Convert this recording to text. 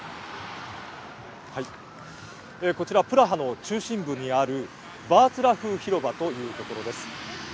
こちらプラハの中心部にあるヴァーツラフ広場という所です。